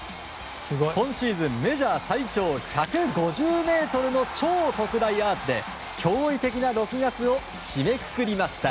今シーズンメジャー最長１５０ｍの超特大アーチで、驚異的な６月を締めくくりました。